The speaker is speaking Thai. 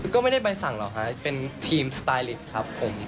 ก็ไม่ได้ใบสั่งหรอกครับเป็นทีมสไตลิปครับผม